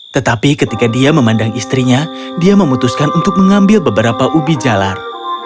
tetapi ketika dia memandang istrinya dia memutuskan untuk mengambil beberapa ubi jalar